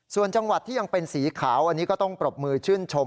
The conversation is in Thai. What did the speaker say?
ส่วนจังหวัดที่ยังเป็นสีขาวอันนี้ก็ต้องปรบมือชื่นชม